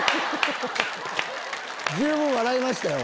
十分笑えましたよ。